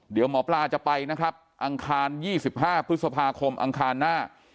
เดี๋ยวหมอปลาจะไปนะครับอังคาร๒๕พฤษภาคมอังคารหน้า